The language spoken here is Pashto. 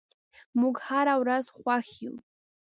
موږ هره ورځ خوښ یو.